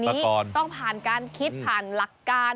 นี้ต้องผ่านการคิดผ่านหลักการ